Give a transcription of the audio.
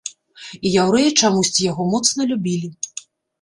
І яўрэі чамусьці яго моцна любілі.